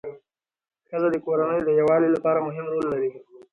ښځه د کورنۍ د یووالي لپاره مهم رول لري